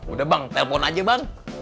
udah bang telpon aja bang